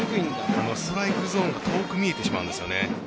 ストライクゾーンが遠く見えてしまうんですよね。